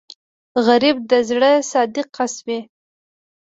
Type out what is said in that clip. غریب د زړه صادق کس وي